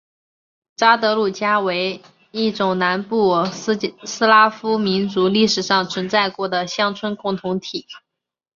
札德鲁加为一种南部斯拉夫民族历史上存在过的乡村共同体。